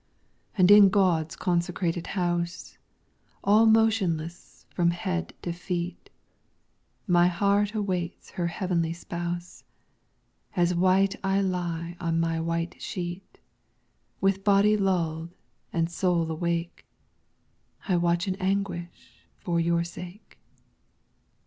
And in God's consecrated house, All motionless from head to feet, My heart awaits her heavenly Spouse, As white I lie on my white sheet; With body lulled and soul awake, I watch in anguish for your sake.